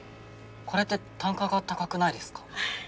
これって単価が高くないですか？